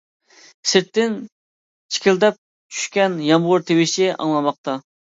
سىرتتىن چىكىلداپ چۈشكەن يامغۇر تىۋىشى ئاڭلانماقتا.